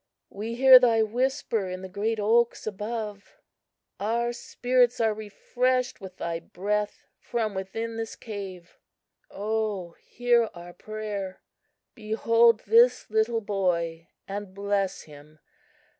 We hear thy whisper in the great oaks above! Our spirits are refreshed with thy breath from within this cave. O, hear our prayer! Behold this little boy and bless him!